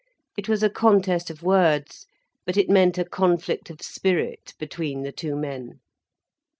It was a contest of words, but it meant a conflict of spirit between the two men.